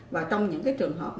và trong những trường hợp